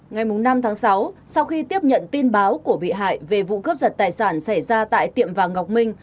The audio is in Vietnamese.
ngày năm tháng sáu sau khi tiếp nhận tin báo của bị hại về vụ cướp giật tài sản xảy ra tại tiệm vàng ngọc minh